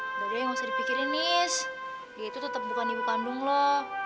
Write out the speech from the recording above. udah deh gak usah dipikirin nis dia itu tetep bukan ibu kandung lo